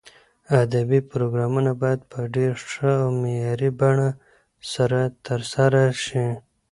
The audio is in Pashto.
ادبي پروګرامونه باید په ډېر ښه او معیاري بڼه سره ترسره شي.